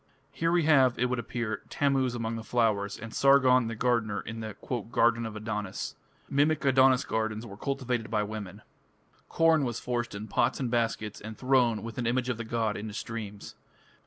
Here we have, it would appear, Tammuz among the flowers, and Sargon, the gardener, in the "Garden of Adonis". Mimic Adonis gardens were cultivated by women. Corn, &c., was forced in pots and baskets, and thrown, with an image of the god, into streams.